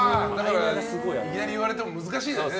いきなり言われても難しいんだね。